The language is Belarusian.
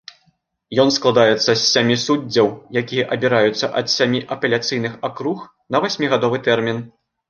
Ён складаецца з сямі суддзяў, якія абіраюцца ад сямі апеляцыйных акруг на васьмігадовы тэрмін.